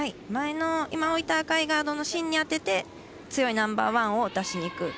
前の今、置いた赤いガードの芯に当てて強いナンバーワンを出しにいく。